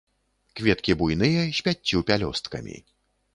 Кветкі буйныя, з пяццю пялёсткамі.